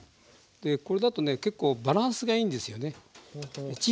これだとね結構バランスがいいんですよね。